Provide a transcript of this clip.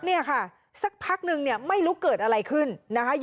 เนี่ยค่ะสักพักนึงเนี่ยไม่รู้เกิดอะไรขึ้นนะคะ